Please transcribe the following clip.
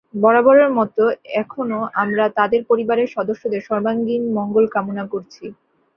বরাবরের মতো এখনো আমরা তাঁদের পরিবারের সদস্যদের সর্বাঙ্গীণ মঙ্গল কামনা করছি।